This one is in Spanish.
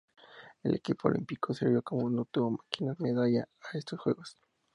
El equipo olímpico serbio no obtuvo ninguna medalla en estos Juegos.